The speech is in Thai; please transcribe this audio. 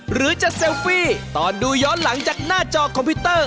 หรือจะเซลฟี่ตอนดูย้อนหลังจากหน้าจอคอมพิวเตอร์